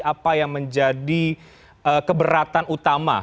apa yang menjadi keberatan utama